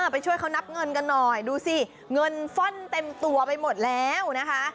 ไปช่วยเขานับเงินกันหน่อยดูสิเงินฟ่อนเต็มตัวไปหมดแล้วนะคะ